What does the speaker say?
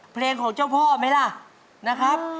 เพลงของเจ้าพ่อไหมล่ะนะครับ